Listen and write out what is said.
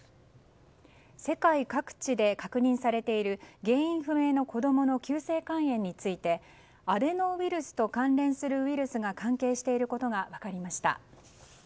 世界各地で確認されている原因不明の子供の急性肝炎についてアデノウイルスと関連するウイルスが関係していることが分かりました。